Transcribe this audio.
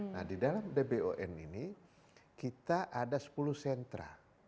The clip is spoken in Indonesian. nah di dalam dbon ini kita ada sepuluh sentra